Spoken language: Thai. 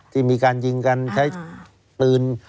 ที่มีการยิงกันใช้ปืน